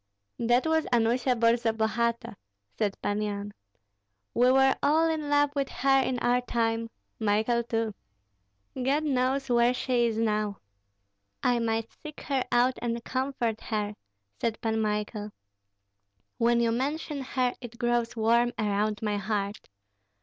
"That was Anusia Borzabogati," said Pan Yan. "We were all in love with her in our time, Michael too. God knows where she is now!" "I might seek her out and comfort her," said Pan Michael. "When you mention her it grows warm around my heart.